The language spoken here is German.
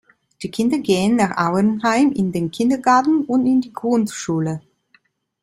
Die Kinder gehen nach Auernheim in den Kindergarten und in die Grundschule.